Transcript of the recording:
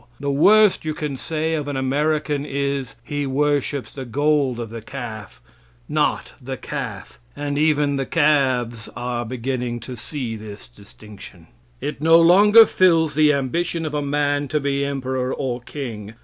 The worst you can say of an American, is, he worships the gold of the calf, not the calf; and even the calves are beginning to see this distinction. It no longer fills the ambition of a man to be emperor or king.